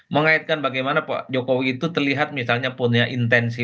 mengaitkan bagaimana pak jokowi itu terlihat misalnya punya intensi